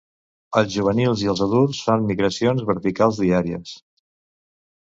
Els juvenils i els adults fan migracions verticals diàries.